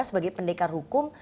sebagai pendekar hukum